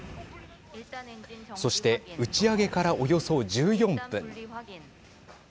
そして打ち上げからおよそ１４分。